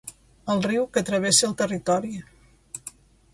El riu que travessa el territori.